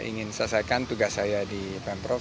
ingin selesaikan tugas saya di pemprov